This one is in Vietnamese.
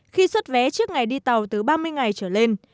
khi xuất vé trước ngày đi tàu từ ba mươi ngày trở lên